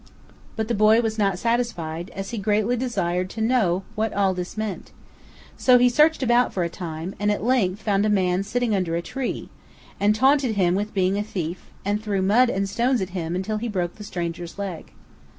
But the boy was not satisfied, as he greatly desired to know what all this meant; so he searched about for a time, and at length found a man sitting under a tree, and taunted him with being a thief, and threw mud and stones at him until he broke the stranger's leg.